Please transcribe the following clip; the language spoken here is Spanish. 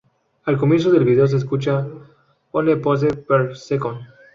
Al comienzo del vídeo se escucha "One pose per second.